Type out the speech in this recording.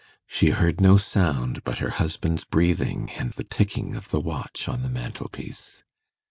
She heard no sound but her husband's breathing and the ticking of the watch on the mantelpiece.